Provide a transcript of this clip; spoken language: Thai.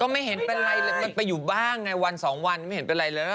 ไม่เห็นเป็นไรเลยมันไปอยู่บ้างไงวันสองวันไม่เห็นเป็นไรเลย